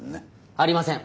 ありません。